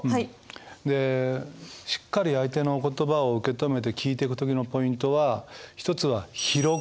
でしっかり相手の言葉を受け止めて聞いていく時のポイントは１つは「広く」。